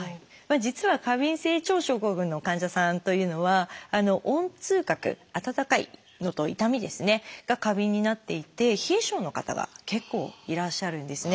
実は過敏性腸症候群の患者さんというのは温痛覚温かいのと痛みが過敏になっていて冷え性の方が結構いらっしゃるんですね。